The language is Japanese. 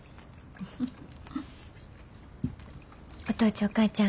お父ちゃんお母ちゃん。